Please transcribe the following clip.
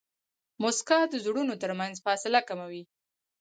موسکا د زړونو ترمنځ فاصله کموي.